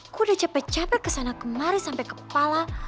gue udah capek capek kesana kemari sampe kepala